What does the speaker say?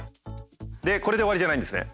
これで終わりじゃないんですね。